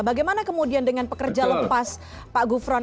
bagaimana kemudian dengan pekerja lepas pak gufron